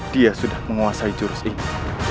dia sudah menguasai jurus ini